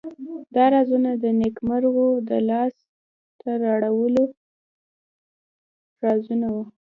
دا رازونه د نیکمرغیو د لاس ته راوړلو رازونه وو.